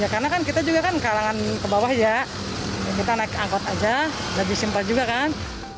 karena kan kita juga kan kalangan ke bawah ya kita naik angkot aja lebih simpel juga kan